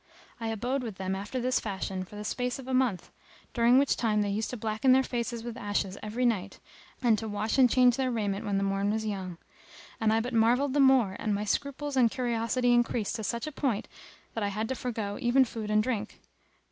I abode with them after this fashion for the space of a month during which time they used to blacken their faces with ashes every night, and to wash and change their raiment when the morn was young; and I but marvelled the more and my scruples and curiosity increased to such a point that I had to forego even food and drink.